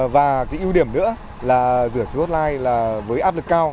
và cái ưu điểm nữa là rửa sứ hotline với áp lực cao